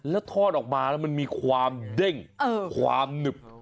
แล้วทอดออกมาแล้วมันมีความเด้งความหนึบ